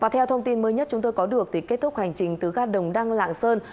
theo thông tin mới nhất chúng tôi có được kết thúc hành trình từ gat đồng đăng lạng sơn